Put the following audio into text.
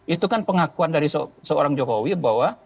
itu kan pengakuan dari seorang jokowi bahwa